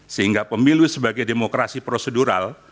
sehingga pemilu sebagai demokrasi prosedural